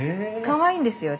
かわいいんですよ。